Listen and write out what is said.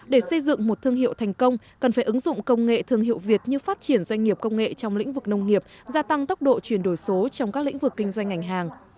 để xây dựng một thương hiệu thành công cần phải ứng dụng công nghệ thương hiệu việt như phát triển doanh nghiệp công nghệ trong lĩnh vực nông nghiệp gia tăng tốc độ chuyển đổi số trong các lĩnh vực kinh doanh ngành hàng